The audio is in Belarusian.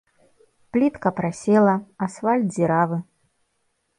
Плітка прасела, асфальт дзіравы.